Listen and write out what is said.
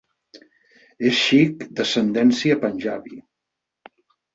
És sikh d'ascendència panjabi.